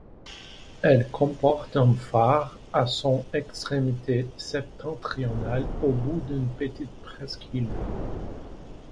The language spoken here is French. Elle comporte un phare à son extrémité septentrionale, au bout d'une petite presqu'île.